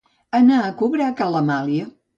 Anar a cobrar a ca l'Amàlia.